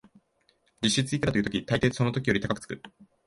実質いくらという時、たいていその金額より高くつく